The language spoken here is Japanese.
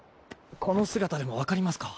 この姿でも分かりますか？